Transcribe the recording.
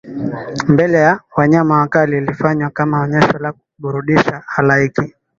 mbele ya wanyama wakali ilifanywa kama onyesho la kuburudisha halaiki